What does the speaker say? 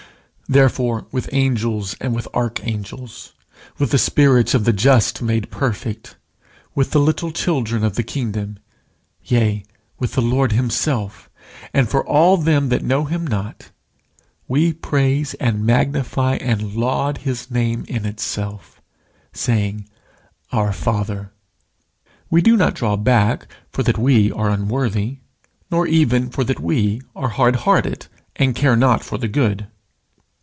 Therefore, with angels and with archangels, with the spirits of the just made perfect, with the little children of the kingdom, yea, with the Lord himself, and for all them that know him not, we praise and magnify and laud his name in itself, saying Our Father. We do not draw back for that we are unworthy, nor even for that we are hard hearted and care not for the good.